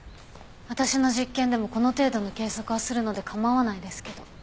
私の実験でもこの程度の計測はするので構わないですけど。